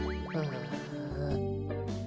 ああ。